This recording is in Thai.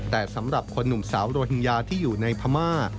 แต่สำหรับคนหนุ่มสาวโรฮิงญาที่อยู่ในพม่า